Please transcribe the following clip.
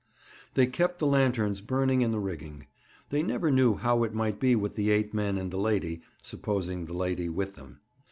They kept the lanterns burning in the rigging. They never knew how it might be with the eight men and the lady, supposing the lady with them.